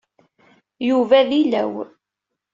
Yuba d ilaw.